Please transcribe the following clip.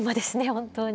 本当に。